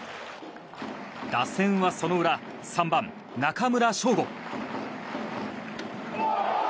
打線はその裏、３番、中村奨吾。